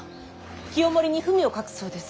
清盛に文を書くそうです。